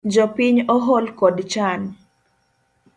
Jopiny ohol kod chan